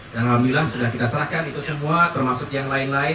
alhamdulillah sudah kita serahkan itu semua termasuk yang lain lain